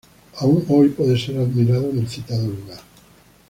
Aún hoy puede ser admirado en el citado lugar.